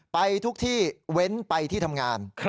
ไปทุกที่เว้นไปที่ทำงาน